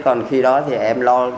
còn khi đó thì em lo